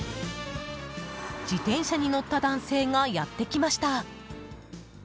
自転車に乗った男性がやってきました。